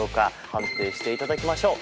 判定して頂きましょう。